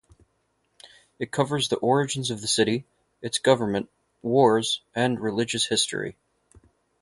It covers the origins of the city, its government, wars and religious history.